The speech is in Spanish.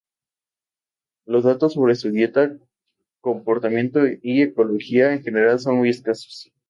Los datos sobre su dieta, comportamiento y ecología en general son muy escasos.